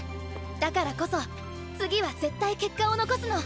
だからこそ次は絶対結果を残すの。